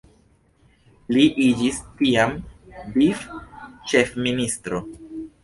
Li iĝis tiam vic-ĉefministro.